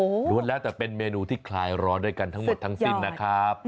โอ้โหล้วนแล้วแต่เป็นเมนูที่คลายร้อนด้วยกันทั้งหมดทั้งสิ้นนะครับ